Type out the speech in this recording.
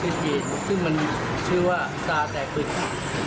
ชื่อเกียรติซึ่งมันชื่อว่าตาแตกศึก